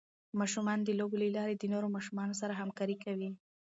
ماشومان د لوبو له لارې د نورو ماشومانو سره همکاري کوي.